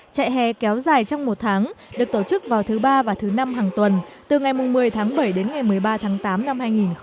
trại hè kéo dài trong một tháng được tổ chức vào thứ ba và thứ năm hàng tuần từ ngày một mươi tháng bảy đến ngày một mươi ba tháng tám năm hai nghìn một mươi chín